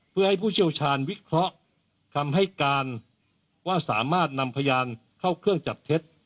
เพื่อให้ผู้เชี่ยวชาญวิเคราะห์คำให้การว่าสามารถนำพยานเข้าเครื่องจับเท็จ